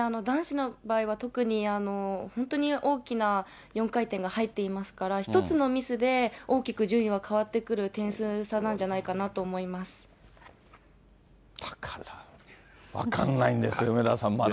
男子の場合は特に、本当に大きな４回転が入っていますから、一つのミスで大きく順位は変わってくる点数差なんじゃないかなとだから分かんないんですよ、梅沢さん、